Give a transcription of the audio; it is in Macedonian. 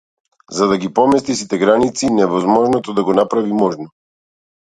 Да ги помести сите граници и невозможното да го направи можно.